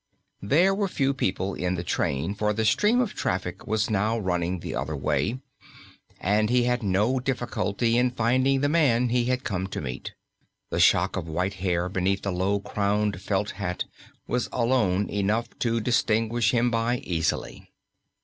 There were few people in the train, for the stream of traffic was now running the other way, and he had no difficulty in finding the man he had come to meet. The shock of white hair beneath the low crowned felt hat was alone enough to distinguish him by easily.